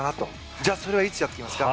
じゃあそれはいつやりますか。